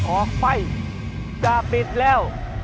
ออกไปจะปิดแล้ว